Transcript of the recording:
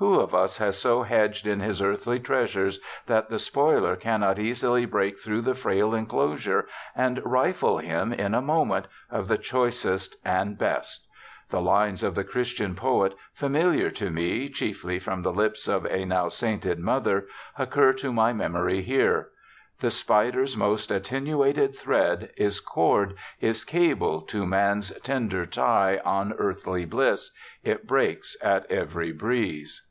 Who of us has so hedged in his earthly treasures that the spoiler cannot easily break through the frail enclosure, and rifle him, in a moment, of the choicest and best? The lines of the Christian poet, familiar to me, chiefly, from the lips of a now sainted mother, occur to my memory here : The spider's most attenuated thread Is cord, is cable, to man's tender tie On earthly bliss; — it breaks at every breeze.